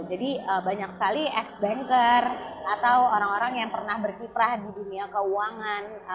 jadi banyak sekali ex banker atau orang orang yang pernah berkiprah di dunia keuangan